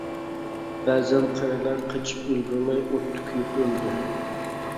بەزەن قېرىلار قېچىپ ئۈلگۈرمەي ئوتتا كۆيۈپ ئۆلدى.